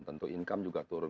tentu income juga turun